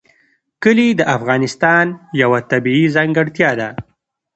کلي د افغانستان یوه طبیعي ځانګړتیا ده.